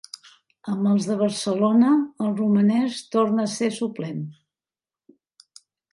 Amb els de Barcelona, el romanès torna a ser suplent.